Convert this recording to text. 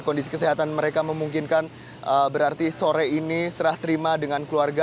kondisi kesehatan mereka memungkinkan berarti sore ini serah terima dengan keluarga